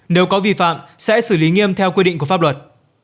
nếu có vi phạm sẽ xử lý nghiêm theo quy định của pháp luật